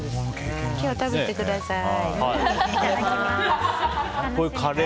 今日、食べてください。